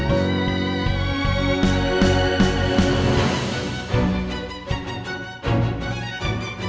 kek milik kita bertanya